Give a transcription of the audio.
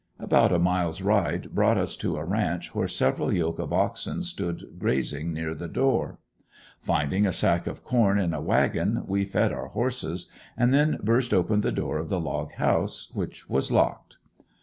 About a mile's ride brought us to a ranch where several yoke of oxen stood grazing, near the door. Finding a sack of corn in a wagon we fed our horses and then burst open the door of the log house, which was locked.